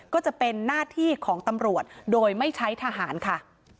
ก็จะเป็นหน้าที่ของตำรวจโดยไม่ใช้ทหารค่ะ